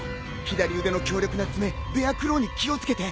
左腕の強力な爪ベアクローに気を付けて。